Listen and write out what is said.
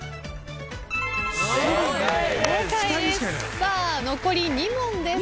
さあ残り２問です。